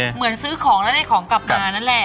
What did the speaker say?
เหมือนซื้อของแล้วได้ของกลับมานั่นแหละ